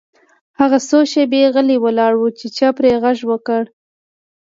هغه څو شیبې غلی ولاړ و چې چا پرې غږ وکړ